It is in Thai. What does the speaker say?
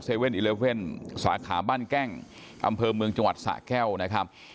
๗๑๑สาขาบ้านแกล้งอำเภอเมืองจังหวัดสะแก้วนะครับ